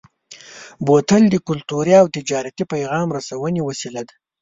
بوتل د کلتوري او تجارتي پیغام رسونې وسیله ده.